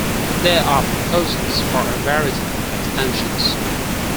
There are proposals for a variety of extensions.